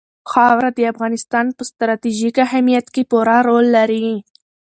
خاوره د افغانستان په ستراتیژیک اهمیت کې پوره رول لري.